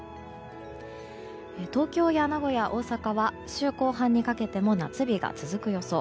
東京や名古屋、大阪は週後半にかけても夏日が続く予想。